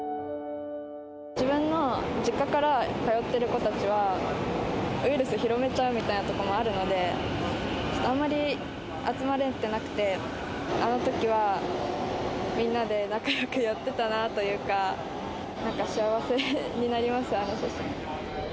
自分の実家から通ってる子たちは、ウイルス広めちゃうみたいなところもあるので、あんまり集まれていなくて、あのときはみんなで仲よくやってたなというか、なんか幸せになります、あの写真。